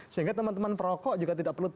sehingga teman teman perokok juga tidak perlu